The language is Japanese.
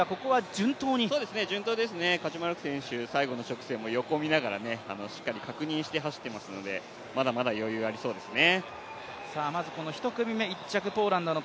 順当ですね、カチュマレク選手、最後の直線も横を見ながらしっかり確認して走ってますのでまだまだ余裕ありそうですね。